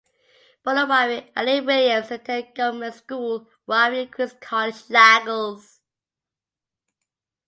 Born in Warri, Alele-Williams attended Government School, Warri, and Queen's College, Lagos.